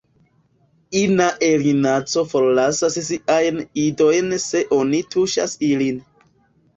Ina erinaco forlasas siajn idojn se oni tuŝas ilin.